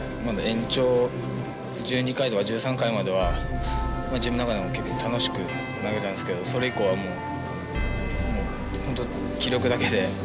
延長１２回とか１３回までは自分の中でも結構楽しく投げたんですけどそれ以降はもう本当気力だけで何も考えることができませんでした。